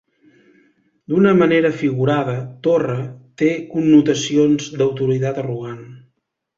D'una manera figurada, "torre" té connotacions d'autoritat arrogant.